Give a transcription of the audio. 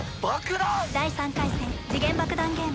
第３回戦時限爆弾ゲーム。